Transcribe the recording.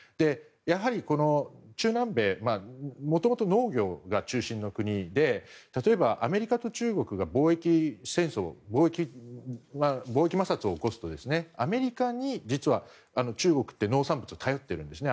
やはり中南米はもともと農業が中心の国で例えばアメリカと中国が貿易戦争、貿易摩擦を起こすとアメリカに実は中国って農産物を頼ってるんですね。